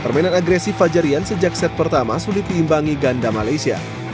permainan agresif fajarian sejak set pertama sulit diimbangi ganda malaysia